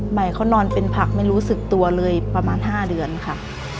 ใหม่เขานอนเป็นผักไม่รู้สึกตัวเลยประมาณ๕เดือนค่ะ